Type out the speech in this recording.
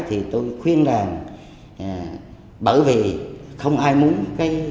thì tôi khuyên rằng bởi vì không ai muốn có cái mối quan hệ